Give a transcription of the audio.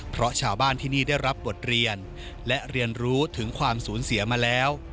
เพราะชาวบ้านที่นี่ได้รับบทเรียนและเรียนรู้ถึงความสูญเสียมาแล้ว